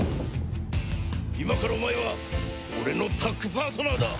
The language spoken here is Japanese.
今からお前は俺のタッグパートナーだ！